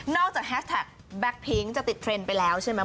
นอกจากแฮสแท็กแบล็กพิ้งก์จะติดเทรนด์ไปแล้วใช่มั้ย